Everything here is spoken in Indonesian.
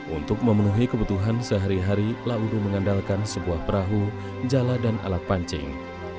untuk memenuhi kebutuhan sehari hari lauru mengandalkan sebuah perahu jala dan alat pancing